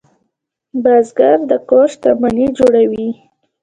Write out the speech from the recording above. بزګر د کور شتمني جوړوي